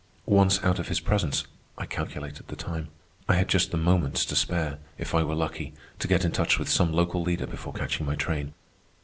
Once out of his presence, I calculated the time. I had just the moments to spare, if I were lucky, to get in touch with some local leader before catching my train.